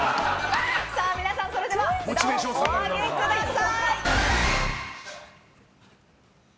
皆さんそれでは札をお上げください。